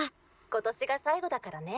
「今年が最後だからね」。